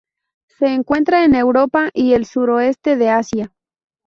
Se encuentra en Europa y el suroeste de Asia.